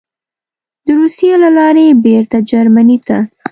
د روسیې له لارې بېرته جرمني ته: